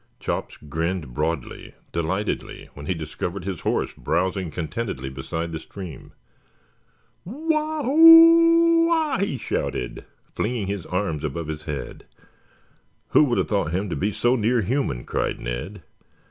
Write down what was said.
Chops grinned broadly, delightedly, when he discovered his horse browsing contentedly beside the stream. "Wah hoo wah!" he shouted, flinging his arms above his head. "Who would have thought him to be so near human?" cried Ned.